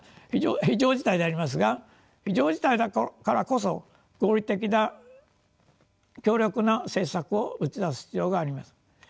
今は非常事態でありますが非常事態だからこそ合理的で強力な政策を打ち出す必要があります。